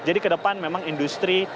jadi ke depan memang industri